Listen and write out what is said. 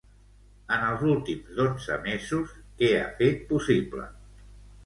En els últims dotze mesos, què ha fet possible?